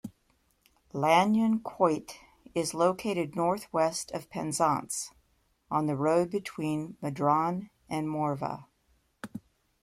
Lanyon Quoit is located northwest of Penzance on the road between Madron and Morvah.